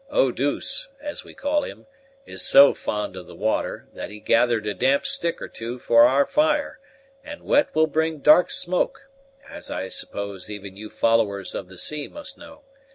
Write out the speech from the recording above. Eau douce, as we call him, is so fond of the water, that he gathered a damp stick or two for our fire; and wet will bring dark smoke, as I suppose even you followers of the sea must know.